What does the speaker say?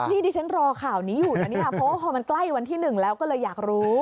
นี่ดิฉันรอข่าวนี้อยู่นะเนี่ยเพราะว่าพอมันใกล้วันที่๑แล้วก็เลยอยากรู้